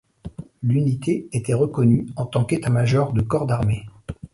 L'unité était reconnue en tant qu'état-major de corps d'armée.